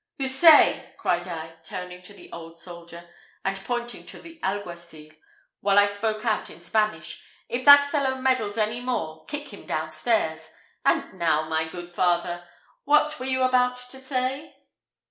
"Houssaye!" cried I, turning to the old soldier, and pointing to the alguacil, while I spoke out in Spanish, "if that fellow meddles any more kick him down stairs. And now, my good father, what were you about to say?"